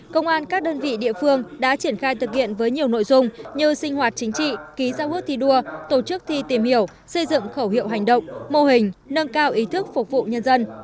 công an các đơn vị địa phương đã triển khai thực hiện với nhiều nội dung như sinh hoạt chính trị ký giao ước thi đua tổ chức thi tìm hiểu xây dựng khẩu hiệu hành động mô hình nâng cao ý thức phục vụ nhân dân